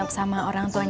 banjo pathetic kan